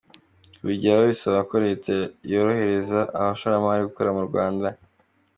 Kubigeraho bisaba ko Leta yoroheraza abashoramari gukora mu Rwanda.